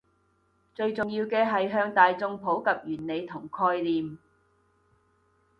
最重要嘅係向大衆普及原理同概念